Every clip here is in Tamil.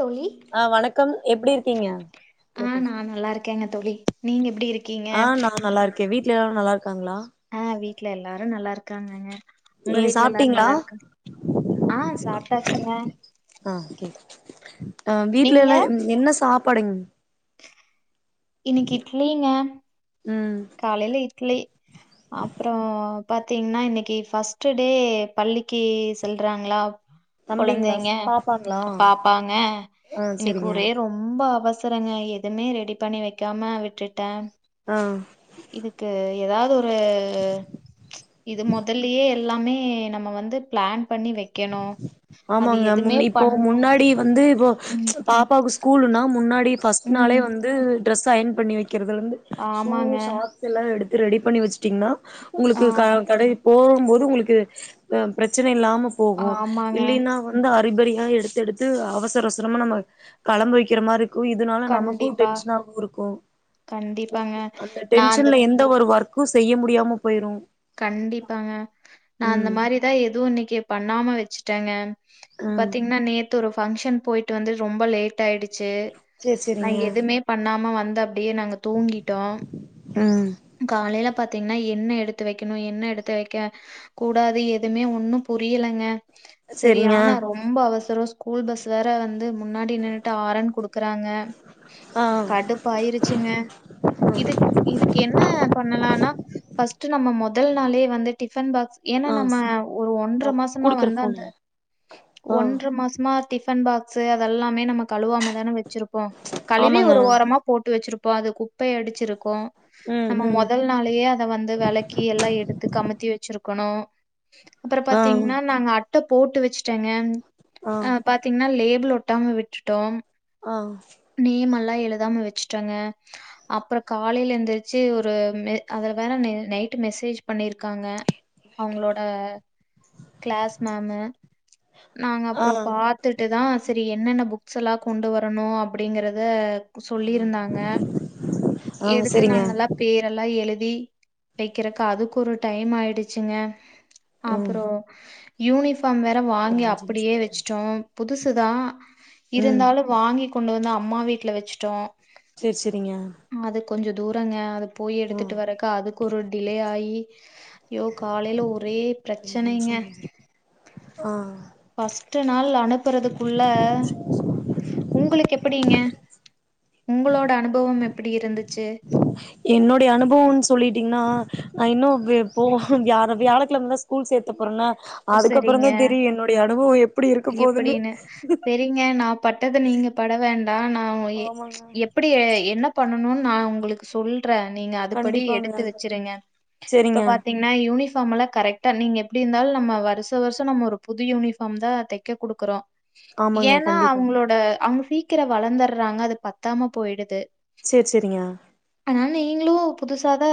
தோழி ஆ வணக்கம் எப்டி இருக்கீங்க க்கங்க தோழி நீங்க எப்டி இருக் ஆஹ் நா நல்லா இருக்கே வீட் வீட்ல எல்லாரு நல்லா இருக் ஆ வீட்ல எல்லாரு நல்லா இருக் காங்கங்க ஒங்க நீ வீட்டுல எல்லாரு சாப்ட்டீங்களா நல்லா இருக்காங் ஆ சாப்ட்டாச்சுங்க [inaudible] அ வீட்ல நீங்க எல்லா என் என்ன சாப் படுங் இன்னைக்கு இட்லிங்க ம் காலையில இட்லி அப்றோ பாத்தீங்கன்னா இன்னைக்கு ஃபஸ்ட் டே பள்ளிக்கு செல்றாங்களா தம்பிங்களா கொழந்தைங்க பாப்பாங்களா பாப்பாங்க ஆ இன்னைக்கு செரிங்க ஒரே ரொம்ப அவச செரங்க எதுமே ரெடி பண்ணி வைக்காம விட்டுட்டே ஆ இதுக்கு எதாவ்து ஒ ரு இது மொதலயே எல்லாமே நம்ம வந்து பிளான் பண்ணி வைக்கணு அது ஆமாங்க எதுவுமே முன் இப்போ பண் முன்னாடி வந்து இவோ ம் ச் பாப்பாக்கு ஸ் கூலுனா முன்னாட் டி ஃபர்ஸ்ட் நாளே ம் வந்து ட்ரஸ் அயன் பண்ணி வை க்கிறதுலயிருந்து சூ ஆமாங்க சாக்ஸ் எல்லா எடுத் ரெடி பண்ணி வெச் ங்கன்னா ஆ உங்களுக்கு க கடை போற ம்போது உங்களுக்கு அ பிரச்சன இல்லாம போகும் ஆமாங்க இல்லினா வந்து ஹரிபெரிஹா எடுது எடுது அவசர அவசரமா நம்ம களம்ப வைக்ற மாரி க்கு இதனால நமகு கண்டிப்பா டென்ஷ்னாக் இருக்கு கண்டிப்பாங்க அந்த நா அந்த டென்ஷன்ல எந்த ஒரு ஒர்க் கு செய்ய முடியாம போயிரு கண்டிப்பாங்க நா அந்த ம் மாரிதா எதுவு இன்னைக்கு பண் ணாம வெச்சுட்டங்க ம் பாத்தீங்னா நேத்தொரு ஃபக்ஷன் போயிட்டு வந்து ரொம்ப லேட் ஆயிடு ச்சு சேரி நா சேரிங்க எதுமே பண்ணாம வந் தப் அப்டியே நாங்க தூங்கிட்டோ ம் காலைல பாத்தீங்னா என்ன எடுத்து வெக்கணு என்ன எடுத்து வெக்க ஹா கூடாது எதுமே ஒண்ணு புரியலங்க செரி சேரிங்க ஆனா ரொம்ப அவசர அவஸ் கூல் பஸ் வேற வந்து முன்னாடி நின்னுட்டு ஆரன் குடுக்கறாங்க ஆ கடுப்பாயிருச்சுங்க ம் இது இது என்ன பண்ணலானா ஃபஸ்டு நம்ம மொதல் நாளே வந்து டி ஃபன்பாக்ஸ் ஏனா ஆ நம்ம சரி ஒரு ஒன்ற ஆ மாசமா குடுக்குற வந்து அந்த ஃபோனு ஆ ஒன்ற மாசமா டிஃபன் பாக்ஸு அதெல்லாமே நம கழுவாம தானே வெச் ச்சிருப்போம் கழிவி ஆமாங்க ஒரு ஓரமா போட்டு வெச்சிருப் இப்போ அது குப்பைய அடிச்சிருக்கும் ம் நம்ம ம் முதல் நாளயே அத வந்து வேளக்கி எல்லாம் எடுத்து கமத்தி வெச்சிருக் கொணும் அப்புறம் ஆ பாத்தீங்கன்னா நாங்க அட்ட போட்டு வெச் ங்க ஆ பாத்திங்னா லே பிள் ஒட்டாம விட்டுட்டோம் ஆ லா எழுதாம வெச்சுட்டங்க அப்பற காலைல எ ந்திரிச்சு ஒரு ம அதுல வேற நெ நைட்டு மெசேஜ் பண்ணிருக்காங்க அவுங்களோட கிளாஸ் மேமு நாங்க ஆ அப்புற பாத்துட்டுதா செரி என்னென்ன புக் ஸ்ல்லா கொண்டு வரணு அப்படிங்கிறத சொல்லிருந்தாங்க ஆ எடுத் து சரிங்க நாங்கெல்லா பேரெல்லா எழுதி வெக்கறக்கு அதுக்கு ஒரு டைம் ஆயிடுச்சுங்க ம் அப்புற யூனிஃபார்ம் வேற ஒரு வாங்கி அஞ்சு நிமிஷோ அப்படியே வெச்சுட்டோ புதுசு தா ம் இருந்தாலு வாங்கி கொண்டு வந்து அம்மா வீட்ல வெச்சுட்டோ சேர் செரிங்க கொஞ்ச தூரங்க அத போய் எடுத்துட்டு வர்றக்கு அதுக்கு ஒரு டிலே ஆயி யோ காலைல ஒரே ரெண்டு பிரச்சனைங்க நிமிஷோ ஆ ஃபஸ்ட் நாள் அனுப்புறதுக்குள்ள உங்குளுக் எப்பிடிங்க உங்களோட அனுபவம் எப்படி இருந்துச்சு என்னுடைய அனுபவம்னு சொல்லிட்டிங்னா நா இன்னு வி பு வியாழ வியாழக்கெழமதா ஸ்கூல் சேத்த போறன்னா ஒ செரிங்க எப்டி இருக்க போதுன்னு எப்படினு செரிங்க நா பட்டத நீங்க பட வேண்டா நா ஆமாங்க எப்படி என்ன பண்ணணு நா உங்களுக்கு சொல் சொல்ற நீங்க அதுபடி கண்டிப்பாங்க எடுத்து வெச்சிருங்க இப்ப சரிங்க பாத்திங்னா யூனிஃபார்ம் எல்லா கரெக்டா நீங்க எப்டி இருந்தாலு நம்ம வருஷ வருஷ நம்ம ஒரு புது யூனிஃபார்ம்தா தெக்க குடுக்குறோ ஆமாங்க ஏன்னா கண்டிப்பா அவங்களோட அவங்க சீக்கிர வளந்துட்றாங்க அது பத்தாம போயிடுது சேர் செரிங்க நீங்களு புதுசாதா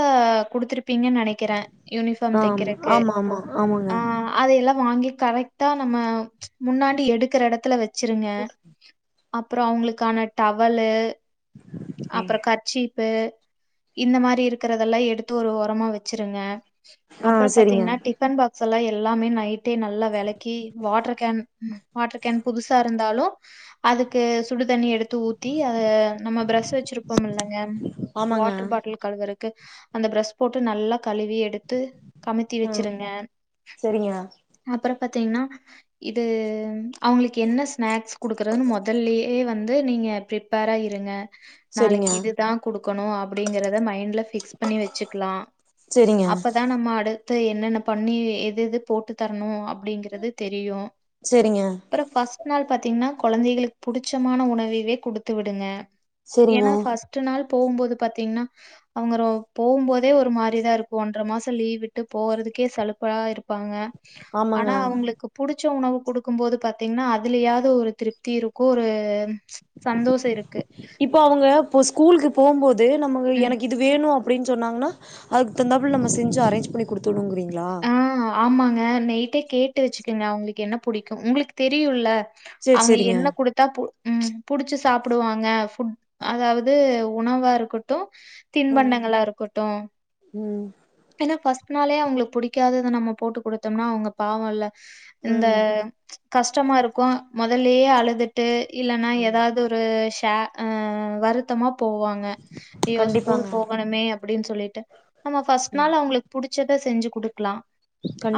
குடுத்திருப் ப்பீங்க நெனைக்கிறே யூனிஃபார்ம் ஆமா தக்கிறக்கு ஆமா ஆமா ஆமாங்க ஆ அத வாங்கி கரெக்டா நம்ம முன்னாடி எடுக்ற எடத்துல வச்சிருங்க அப்புற அவங்களுக்கான டவலு அப்புற கர்ச்சீப்பு இந்த மாரி இருக்கிறதெல்லா எடுத்து ஒரு ஓரமா வெச்சிருங்க ஆ அப்புற செரிங்க பாத்தீங்கனா டிஃபன் பாக் சல எல்லாமே நை டே நல்லா வெளக்கி வாட்டர் கேன் வாட்டர் கேன் புதுசா இருந்தாலும் அதுக்கு சுடு தண்ணி எடுத் ஊத்தி அ நம்ம பிரஸ்ட் து வெச்சிருப்போம் இல்லங்க ஆமாங்க வாட்டர் பாட்டில் கலுகுறக்கு து அந்த ப்ரெஷ் போட்டு நல்லா கழுவி எடுத் து கமுத்தி ம் வச்சிருங்க செரிங்க அப்ற பாத்தீங்னா இதுவும் அவ்ங்களுக்கு என்ன ஸ்நாக்ஸ் குடுக்குறதுன் மொதல்லே வந் து நீங்க பிரிப்பேரா இருங்க செரிங்க நாளைக்கு இதுதா குடுக் கணு அப்டிங்கிறத மைண்ட்ல ஃபிக்ஸ் பண்ணி வச்சுக்லா செரிங்க அப்பதா நம்ம அடு த்து என்னென்ன பண்ணி எது எது போட்டு தரணு அப்டிங்கிறது தெரியு செரிங்க அப்ற ஃபஸ்ட் நாள் பாத்தீங்னா கொழந்தைகளுக்கு புடிச்சமான உணவுகளே குடுத்து விடுங்க செரிங்க ஏனா ஃபஸ்ட்டு நாள் போம்போது பாத்தீங்னா அவ்ங்கரோ போம்போதே ஒரு மாரிதா இருக்கு ஒன்ர மாச லீவ் விட்டு போறதுக்கே சலுப்பா இருக் குங்க ஆமாங்க ஆனா அவ்ங்களுக்கு புடிச் ச்ச உணவே குடுக்கும் போது பாத்தீங்னா அதுலயாவ்து ஒரு திருப்தி இருக்கு ஒரு சந்தோச இருக்கு ப்ப அவ்ங்க இப்ப ஸ்கூலுக்கு போம்போது து நம்மக்கு ம் எனக்கு இது வேணு அப்டின்னு சொன்னாங்கன்னா அதுக்கு தகுந்தாப்ல நம்ம செஞ்சு அரேஞ்ச் பண்ணி குடுத்து விடனுங்கிறீங்ளா ஆஹ ஆமாங்க நைட்டே கேட்டு வெச்சுக்கங்க அவங்களுக்கு என்ன புடிக்கு உங்களுக்கு தெரியுல்ல சேரி அவுங்க சேரிங்க என்ன குடுத்தா பு ம்ச் உம் புடிச்சு சாப்பிடுவாங்க ஃபுட் அதாவது உணவா இருக்கட்டு ம் தின்பண்டங்ளா இருக்கட்டு ம் ஏனா ஃபர்ஸ்ட் நாளே அவுங்களுக்கு புடிக்கு னைக்காவது இதை நம்ம போட்டு கொடுத்தோம்னா அவுங்க பாவம்ல்ல இந்த ம் கஷ்டமா இருக்கும் முதலயே அழுதுட்டு இல்லைன்னா ம் ஏதாவது ஒரு க அ வருத்தமா போவாங்க ஐயோ ஸ்கூல் கண்டிப்பாங்க போகணுமே அப்டின்னு சொல்லிட்டு நம்ம ஃபர்ஸ்ட் ம் நாள் அவுங்களுக்கு புடிச்ச ச்சத செஞ்சு கொடு க்கலாம்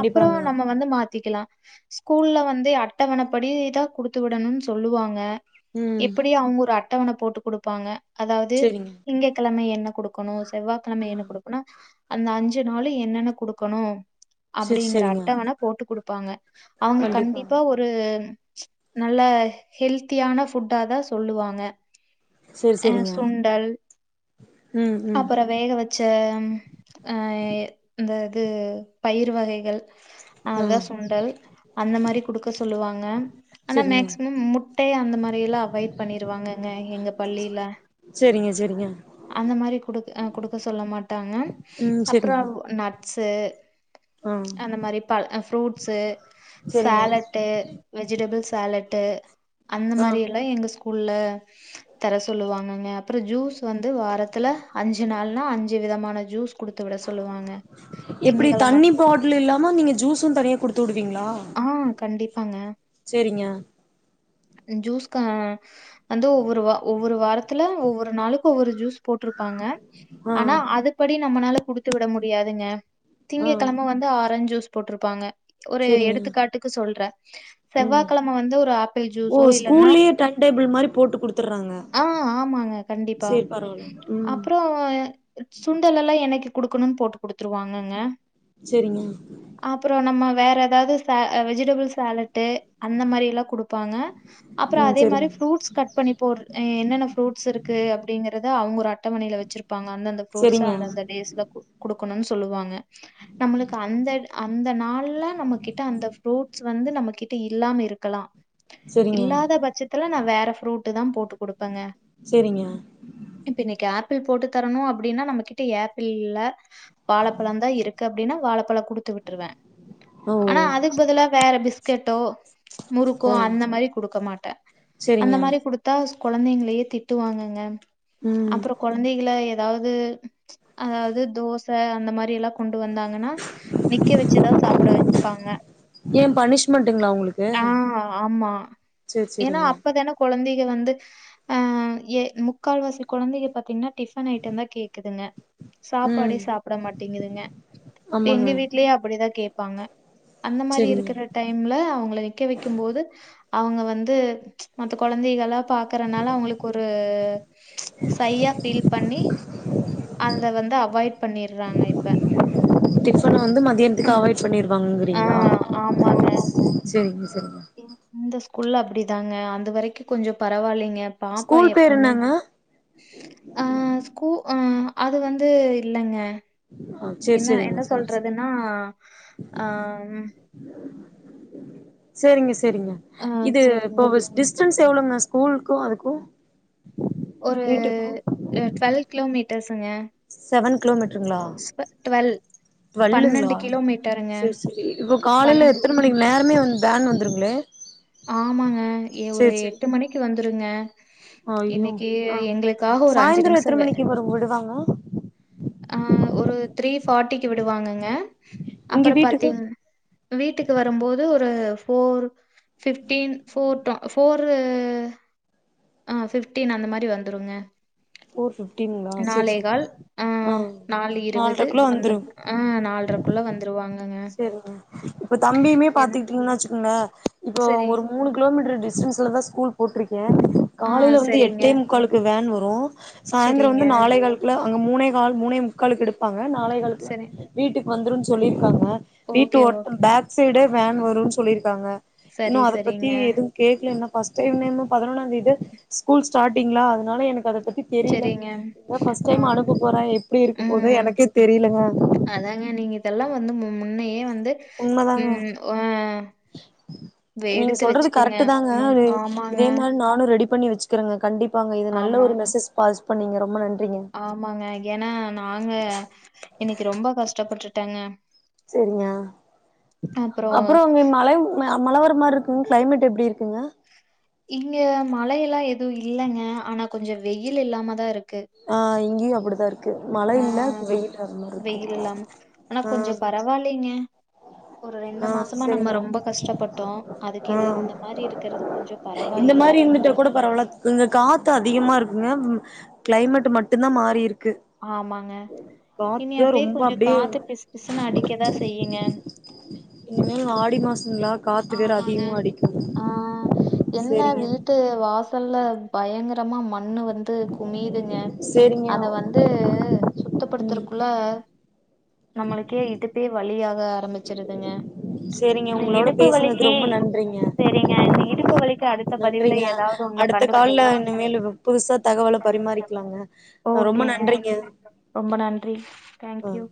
அப்புறம் நம்ம வந்து மாத்திக்கலாம் ஸ்கூல்ல வந்து அட்டவணப்படி தான் குடுத்து விடணும்னு சொல்லுவாங்க ம் எப்டி அவுங்க ஒரு அட் அட்டவனை போட்டு கொடுப்பாங்க அதாவது செரிங்க திங்க கிழமை என் ன கொடுக்கணும் செவ்வாய கிழமை என்ன ம் கொடுக்குனு அந்த அஞ்சு நாள் என்னென்ன கொடு கொணும் செரி அப்டிங்கற செரிங்க அட்டவனா போட்டு குடுக்க ப்பாங்க அவுங்க கண்டிப்பா ஒரு நல்ல ஹெல்த்தியான ஃபுட்டாதான் சொல்லுவாங்க செரி அஹ் செரிங்க சுண்டல் ம் ம் அப்புறம் வேக வச்ச அஹ் இந்த இது பயிர் வகைகள் ஆ அதாசுண்டல் அந்த மாரி குடுக்க சொல்லுவாங்க ஆனா செரிங்க மேக்சிமம் முட்டை அந்த மாரி எல்லாம் அவாய்ட் பண்ணிருவாங்கங்க எங்க பள்ளியில ங்க அந்த மாரி கொடுக் கொடுக்க சொல்ல மாட்டாங்க ம் செரிங்க அப்புறவ் நட் ஸு ஆ அந்த மாரி பழ ஃப்ரூட்ஸு செரிங்க சலெட்டு வெஜிடபிள் சலெட்டு அந்த ஆ மாரி எல்லா எங்க ஸ்கூ உள்ள தர சொல்லுவாங்கங்க அப்புற ஜூஸ் வந்து வாரத்துல அஞ்சு நாள்னா அஞ்சு விதமான ஜூஸ் குடுத்து விட சொல்லுவாங்க திங்க எப்டி கிழம தண்ணி பாட்டில் இல்லாம நீங்க ஜூஸும் தனியா குடுத்து விடுவீங்களா ஆ கண்டிப்பாங்க செரிங்க ஜூஸ் கா வந்து ஒவ்வொரு வா ஒவ்வொரு வாரத்துல்ல ஒவ்வொரு நாளுக்கு ஒவ்வொரு ஜூஸ் போட்டுருப்பாங்க ஆ ஆனா அதுபடி நம்மனால குடுத்து விட முடியாதுங்க ஆ திங்க கிழம வந்து ஆரஞ் ஜூஸ் போட்டுருப்பாங்க ஒரு செரிங்க எடுத்துக்காட்டுக்கு சொல்ற ம் செவ்வாகிழம வந்து ஒரு ஆப் பிள் ஓ ஜூஸோ இல்லன்னா ஸ்கூல்லயே டைம் டேபிள் மாரி போட்டு குடுத்துறாங்க அ ஆமாங்க கண்டிப்பா சேரி பரவால்ல ம் அப்ரோ சுண்டல் எல்லா எங் என்னைக்கு குடுக்கணுன் போட்டு குடுத்துருவாங்கங்க சேரிங்க அப்புறோ நம்ம வேற எதாவது ச அ வெஜிடபிள் சாலட்டு அந்த மாறி எல்லா குடுப் பாங்க அப்ரோ ம் அதே மாறி செரிங்க ஃப்ரூட்ஸ் கட் பண்ணி போடுற் அ யே என்னென்ன ஃப்ரூட்ஸ் இருக்கு அப்டிங்கறது இது அவுங்க ஒரு அட் டவணைல வெச்சிருப்பாங்க அந்தந்த ஃப்ரூட்ஸ் செரிங்க அந்தந்த டேஸ்ல குடு குடுக் கணுனு சொல்லுவாங்க நம்மளுக்கு அந்த அந்த நாள்ல நம்ம கிட்ட அந்த ஃப்ரூஸ் வந்து நம்ம கிட்ட இல்லாம இருக்கலா செரிங்க இல்லாத பட்சத்தில நா வேற ஃப்ரூட்டு தா போட்டு குடு பாங்க செரிங்க இப்ப இன்னைக்கு ஆப் பிள் போட்டு தரணு அப்டின்னா நம்மகிட்ட ஏபிள் இல்ல வாழப்பழந்தா இருக்கு அப்டின்னா வாழப்பழ குடுத்து விட்டுருவ ஓ ஆனா அதுக்கு பதிலா வேற பிஸ் கட்டோ ம்ச் கோ ஆ அந்த மாறி குடுக்க மாட்ட அந்த செரிங்க மாறி குடுத்தா கொழந்தைங்களயே திட்டு வாங்கங்க ம் அப்ரோ கொழந்தைங்கள எப் அதாவது ம்ச் அதாவது தோச அந்த மாறி எல்லா கொண் டு வந்தாங்கன்னா நிக்க வெச்சகதா சாப்பிட வெப்பாங்க ஏன் பனிஷ்மெண்ட்டுங்களா உங்களுக்கு ஆ ஆமா சேரி ஏனா செரிங்க அப்பதான கொழந்தை இங்கவந்து அஹ ஏ முக்கால்வாசி கொழந்தைங்க பாத்தீங்கன்னா டிபன் ஐட்டம்தா கேக்குதுங்க சாப்பாடே ம் சாப்பிட மாட்டேங்குதுங்க எங்க ஆமாங்க வீட்லயே அப்படிதா கேப் பாங்க அந்த மாரி செரிங்க இருக்கிற டைம்ல அவங்ல நிக்க வைக்க அவுங்க வந்து ம்ச் மத்த குழந்தைகளா பாக்குறனால அவங்களுக்கு ஒரு ப்ச் சையா பீல் பண்ணி அந்த வந்து அவாய்ட் பண்ணிறாங்க இப்ப ஹ வாங்குறீங்ளா சேரிங்க இந்த ஸ்கூல்ல அப்படிதாங்க அந்த வரைக்கு கொஞ்ஜோ பரவாயில்லைங்க ஏ பாப்பா ஸ்கூல் பேர் எப்பமே என்னங்க அஹ் ஷு ஆம் அது வந்து இல்லங்க ஆ செரி என்ன செரிங்க என்ன சாரி சாரி சொல்றதுன்னா ஆஹ்ம் சேரிங்க ச சேரிங்க ஆ இது சரிங்க. இப்போ டிஸ்டன்ஸ் எவ்ளோங்க ஸ்கூலுக்கு அதுக்கு ஒரு வீட்டுக்கு ஆஹ் டுவெல் கிலோமீட் பேசுங்க செவன் கிலோமீட் ட்ருகளா வல்லுங்களா கிலோமீட்டருங்க. சேரி சேரி இப்ப காலையில பண்ணணும். எத்தனை மணிக்கு நேரமே வந் ம் பேன் வந்துருங்களே ஆமாங்க ஏ ஒரு எட்டு மணிக்கு வந்துருங்க அய்யோ இன்னைக்கு ஆஹ் எங்களுக்காக ஒரு சாயந்தர நிமிஷம் எத்தன மணிக்கு வரு விடுவாங்க ஆஹ் ஒரு த்ரீ ஃபார்ட்டிக்கு விடுவாங்கங்க இங்க அப்பற வீட்டுக்கு பாத்தீங் வீட்டுக்கு வரும்போது ஒரு போஃர் ஃபிப்டீன் ஃபோர்ட்டு போர்ரு ஆஹ் ஃபிப்டீன் அந்த மாரி வந்துருங்க ஃபோர் ஃபிஃப்டீனுங்களா சேரி சேரி நாளைகால் ஆ அஹ் நாலு இருவது நால்ரைக்குள்ள அந்த ஆஹ் நாலரைக்குள்ள வந்துருவாங்க சேரிங்க இப்ப தம்பியுமே ஏன்னா பாத்துக்கிட்டீங்கன்னா வச்சுக்கோங்க இப்போ சரி. ஒரு மூணு கிலோமீட்டர் டிஸ் பிரண்ட்ஸ்ல்லா ஸூல் போட்டுரு ஹ ஆ காலையில வந்து சரிங்க, எட்டை முக்காலக்கு வேன் வரு போ சாயந்தரம் சரிங்க, வந்து நாளை கால்குள்ள அங்க மூனே கால் மூனே முக்கால் எடுப்பாங்க அஹ் நாளேகளுக்லா சரி. வீட்டுக்கு வந்துரும்ன்னு சொல்லியிருக்காங்க வீட்டு ஓகே, ஓட்ட ஓகே. பேக் சைட் விட வேன் வரும்னு சொல்லியிருக்காங்க இன்னு சரி, அத பத்தி சரிங்க. எதுவு கேக்கல என்ன ஃபர்ஸ்ட் டைம் [unintelligible] பதினொன்னாம் தேதி ஸ்கூல் ஸ்டாரிங்கலா அதனால எனக்கு அத பத் செரிங்க ஆஹ் போறே எப்டி இருக்க போது உம் எனக்கே தெரியலங்க அதாங்க நீங்க இதெல்லாம் வந்து மு முன்னையே வ து உண்மதாங்க உம் அஹ் நீங்க சொல்றது கரெக்ட் தாங்க ம். ஒரு ஆமாங்க. இதே மாரி நானு ரெடி பண்ணி வச்சிக்கிறங்க கண்டிப் பாங்க இது நல்ல ஆமா. ஒரு மெசேஜ் பாசவ் ப்பண்ணீங்க ரொம்ப நன்றி ஆமாங்க ஏன்னா நாங்க இன்னைக்கு ரொம்ப கஷ்டப்பட்டு ட்டங்க செரிங்கா அப்புறம் அப்றோ அவங்க மழ [unintelligible] மழ வர மாரி இருக்குங்க கிளைமேட் எப்டி இருக்குங்க இங்க மழையெல்லா எதுவும் இல்லங்க ஆனா கொஞ்ச வெயில் இல்லாம தா இருக்கு ஆ இங்கயு அப்டிதா இருக்கு க்கு மழை ஆ இல்லா வெயில் வரமாரி இருக்கு வெயில் இல்லாம. ஆனா கொஞ்சம் பரவாயில்லைங்க. ஒரு ஆ மாசமா நம்ம சேரிங்க ரொம்ப கஷ்டப்பட்டோம். அதுக்கு இது ஆ இந்த மாரி இருக்கிறது கொஞ்சம் இந்த பரவாயில்ல. மாரி இருந்துட்ட கூட பரவாயல கொஞ்சோ காத்து அதிகமா இருக்கு ங்க கிளைமேட் மட்டும் தா மாறி இருக்கு ஆமாங்க இனி காத்துதா அப்டியே ரொம்ப கொஞ்ச காத்து பிசு பிசுன்னு அடிக்கதா செய்யு இனிமேல் ஆடி மாசம்ங்லா ஆமாங்க ஆ என்ன செரிங்க வீட்டு வாசல் நல்ல பயங்கர கரமா மண்ணு வந்து குமியுதுங்க சேரிங்க அத வந்து ம் சுத்தப்படுத்துறக்குள்ள நம்மளுக்கே இடுப்பே வலியாக ஆரம்பிச்சிருதுங்க செரிங்க உங்களோட ப்பு பேசுனதுக்கு வலிக்கு ரொம்ப நன்றிங்க செரிங்க இந்த இடுப்பு வலிக்கு அடுத்த பதிவுல நன்றிங்க ஏதாவது ஒன்னு அடுத்த கால்ல கண்டுபிடிக்கலா இனிமேல் புதுசா தகவல பரிமாறிக்கலாங்க ரொம்ப ஓகேங்க நன்றிங்க ரொம்ப நன்றி ஆ தேங்க்யூ